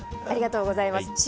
ありがとうございます。